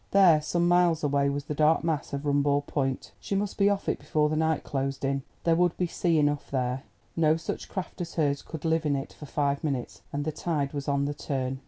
There, some miles away, was the dark mass of Rumball Point. She must be off it before the night closed in. There would be sea enough there; no such craft as hers could live in it for five minutes, and the tide was on the turn.